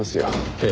ええ。